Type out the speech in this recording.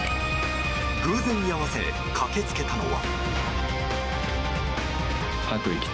偶然居合わせ駆け付けたのは。